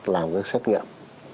làm cái xét nghiệm